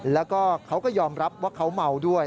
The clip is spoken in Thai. แล้วก็เขาก็ยอมรับว่าเขาเมาด้วย